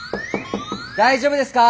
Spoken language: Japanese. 大丈夫ですか！？